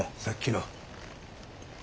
さっきの。